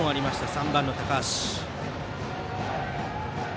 ３番の高橋。